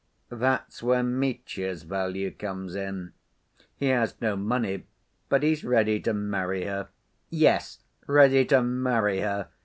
That's where Mitya's value comes in; he has no money, but he's ready to marry her. Yes, ready to marry her!